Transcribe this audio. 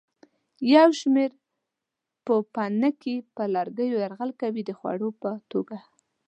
یو شمېر پوپنکي پر لرګیو یرغل کوي د خوړو په توګه.